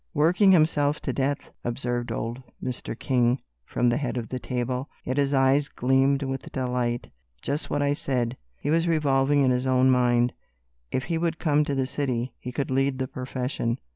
"Working himself to death," observed old Mr. King, from the head of the table, yet his eyes gleamed with delight. "Just what I said," he was revolving in his own mind; "if he would come to the city, he could lead the profession."